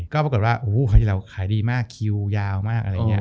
ก็ปรากฏว่าโอ้โหเราขายดีมากคิวยาวมากอะไรอย่างนี้